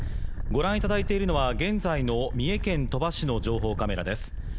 ご覧いただいているのは現在の三重県鳥羽市の情報カメラです。